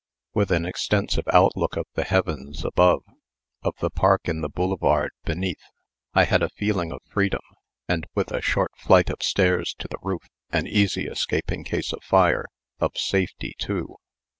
With an extensive outlook of the heavens above, of the Park and the Boulevard beneath, I had a feeling of freedom, and with a short flight of stairs to the roof (an easy escape in case of fire), of safety, too.